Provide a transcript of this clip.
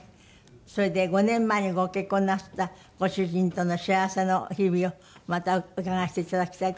それで５年前にご結婚なすったご主人との幸せの日々をまた伺わせていただきたいと。